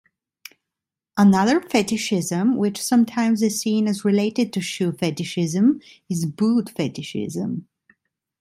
Another fetishism, which sometimes is seen as related to shoe fetishism, is boot fetishism.